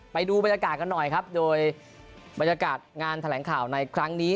ไปดูบรรยากาศกันหน่อยครับโดยบรรยากาศงานแถลงข่าวในครั้งนี้